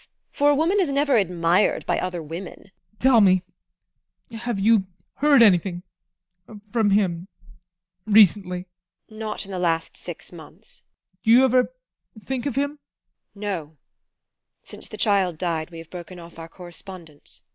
For a woman is never admired by other women. ADOLPH. Tell me, have you heard anything from him recently? TEKLA. Not in the last sis months. ADOLPH. Do you ever think of him? TEKLA. No! Since the child died we have broken off our correspondence.